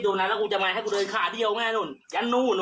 ขออะไรก็ยากแล้วมึงขอเสียงทุกคนเลย